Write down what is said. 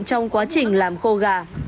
trong quá trình làm khô gà